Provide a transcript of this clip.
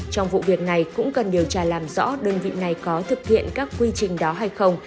trong vụ việc này cũng cần điều tra làm rõ đơn vị này có thực hiện các quy trình đó hay không